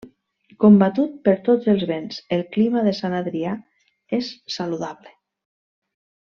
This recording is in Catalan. Combatut per tots els vents, el clima de Sant Adrià és saludable.